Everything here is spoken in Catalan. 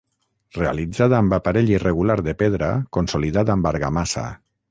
Realitzada amb aparell irregular de pedra consolidat amb argamassa.